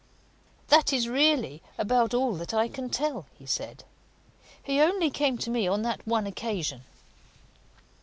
"That is really about all that I can tell," he said. "He only came to me on that one occasion."